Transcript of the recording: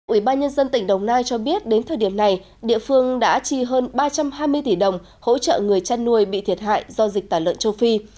ủy ban nhân dân tỉnh đồng nai cho biết đến thời điểm này địa phương đã chi hơn ba trăm hai mươi tỷ đồng hỗ trợ người chăn nuôi bị thiệt hại do dịch tả lợn châu phi